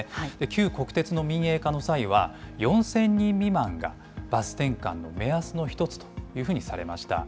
旧国鉄の民営化の際は、４０００人未満がバス転換の目安の一つというふうにされました。